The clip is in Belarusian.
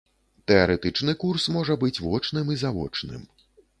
Тэарэтычны курс можа быць вочным і завочным.